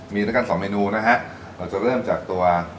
มีด้วยกันสองเมนูนะฮะเราจะเริ่มจากตัว